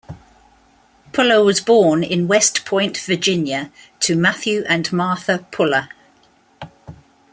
Puller was born in West Point, Virginia, to Matthew and Martha Puller.